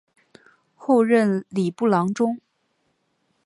后任礼部郎中。